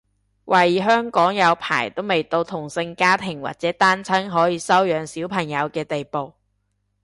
懷疑香港有排都未到同性家庭或者單親可以收養小朋友嘅地步